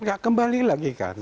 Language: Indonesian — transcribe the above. ya kembali lagi kan